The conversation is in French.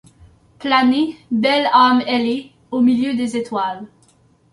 Planer, belle âme ailée, au milieu des étoiles